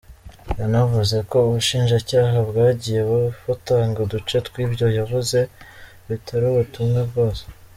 Yanavuze ko Ubushinjacyaha bwagiye batanga uduce tw’ibyo yavuze, bitari ubutumwa bwose.